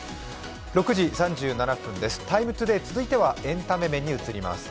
「ＴＩＭＥ，ＴＯＤＡＹ」、続いてはエンタメ面に移ります。